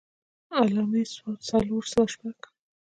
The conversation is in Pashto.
علّامي ص څلور سوه شپږ.